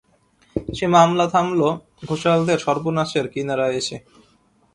সে মামলা থামল ঘোষালদের সর্বনাশের কিনারায় এসে।